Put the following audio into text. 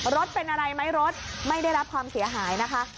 รถเป็นอะไรไหมรถไม่ได้รับความเสียหายนะคะ